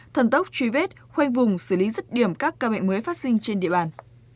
thần tốc truy vết khoanh vùng xử lý rứt điểm các ca bệnh mới phát sinh trên địa bàn